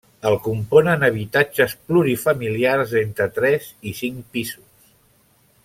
El componen habitatges plurifamiliars d'entre tres i cinc pisos.